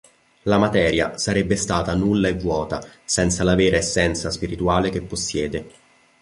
La materia sarebbe stata nulla e vuota senza la vera essenza spirituale che possiede.